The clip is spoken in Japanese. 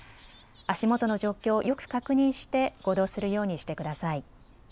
足元の状況をよく確認して行動するようにしてください。